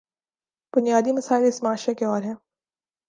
بنیادی مسائل اس معاشرے کے اور ہیں۔